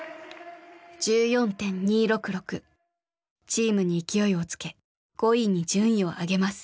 チームに勢いをつけ５位に順位を上げます。